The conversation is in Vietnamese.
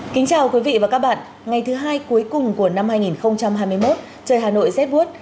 kính chào quý vị và các bạn ngày thứ hai cuối cùng của năm hai nghìn hai mươi một trời hà nội rét buốt